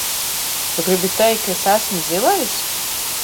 Tu gribi teikt, ka es esmu zilais?